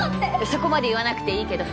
そこまで言わなくていいけど。